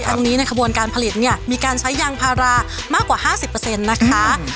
อันนี้ในกระบวนการผลิตมีการใช้ยางพารามากกว่า๕๐นะคะ